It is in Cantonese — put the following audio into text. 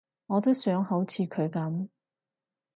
我都想好似佢噉